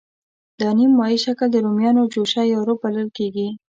دا نیم مایع شکل د رومیانو جوشه یا روب بلل کېږي.